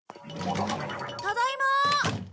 ただいま。